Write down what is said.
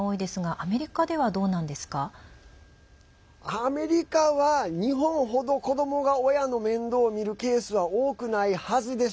アメリカは日本ほど子どもが親の面倒を見るケースは多くないはずです。